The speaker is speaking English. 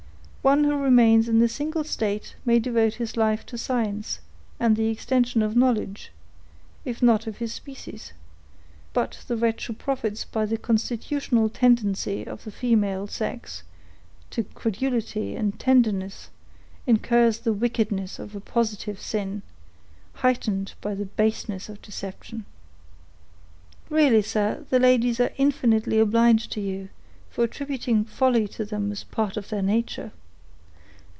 "One who remains in a single state may devote his life to science and the extension of knowledge, if not of his species; but the wretch who profits by the constitutional tendency of the female sex to credulity and tenderness, incurs the wickedness of a positive sin, heightened by the baseness of deception." "Really, sir, the ladies are infinitely obliged to you, for attributing folly to them as part of their nature."